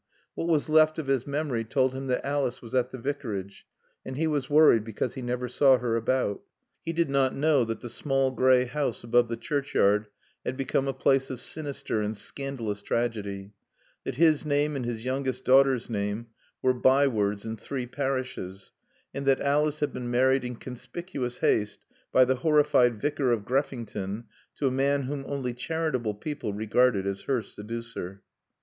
What was left of his memory told him that Alice was at the Vicarage, and he was worried because he never saw her about. He did not know that the small gray house above the churchyard had become a place of sinister and scandalous tragedy; that his name and his youngest daughter's name were bywords in three parishes; and that Alice had been married in conspicuous haste by the horrified Vicar of Greffington to a man whom only charitable people regarded as her seducer.